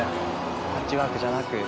パッチワークじゃなく。